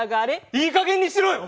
いいかげんにしろよ。